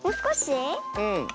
うん。